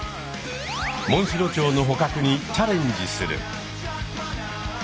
モンシロチョウの捕獲にチャレンジする。